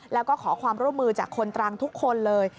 แล้วก็ขอความร่วมมือจากคนตรังทุกคนเลย